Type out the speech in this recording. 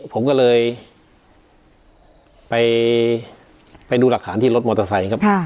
ผมก็เลยไปดูหลักฐานที่รถมอเตอร์ไซค์ครับ